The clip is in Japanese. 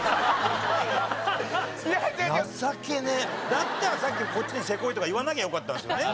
だったらさっきこっちにせこいとか言わなきゃよかったんですよね。